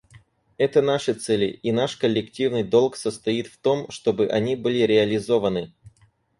Это наши цели, и наш коллективный долг состоит в том, чтобы они были реализованы.